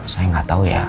saya gak tau ya